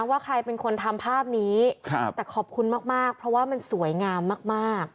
ว่าใครเป็นคนทำภาพนี้แต่ขอบคุณมากเพราะว่ามันสวยงามมากมาก